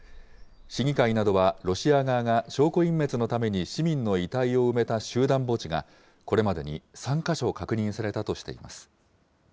市議会などはロシア側が、証拠隠滅のために市民の遺体を埋めた集団墓地が、これまでに３か所確認されたとしています。